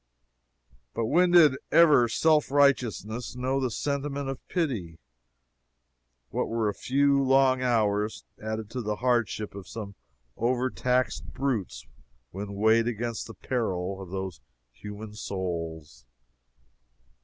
But when did ever self righteousness know the sentiment of pity? What were a few long hours added to the hardships of some over taxed brutes when weighed against the peril of those human souls?